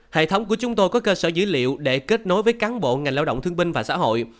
hệ thống của chúng tôi có cơ sở dữ liệu để kết nối với cán bộ ngành lao động thương binh và xã hội